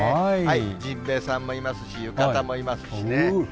じんべえさんもいますし、浴衣もいますしね。